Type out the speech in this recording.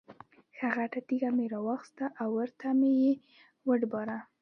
ښه غټه تیږه مې را واخسته او ورته مې یې وډباړه.